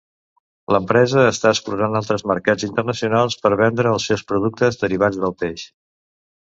L'empresa està explorant altres mercats internacionals per vendre els seus productes derivats del peix.